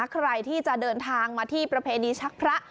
ใครที่จะเดินทางมาที่ประเพณีชักพระ